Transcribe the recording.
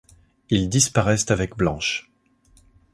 Ils disparaissent avec Blanche.